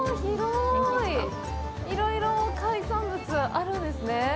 いろいろ海産物あるんですね。